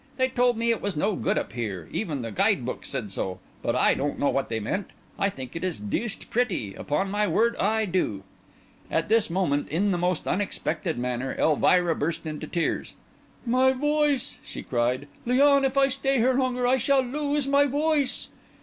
They told me it was no good up here; even the guide book said so; but I don't know what they meant. I think it is deuced pretty—upon my word, I do." At this moment, in the most unexpected manner, Elvira burst into tears. "My voice!" she cried. "Léon, if I stay here longer I shall lose my voice!"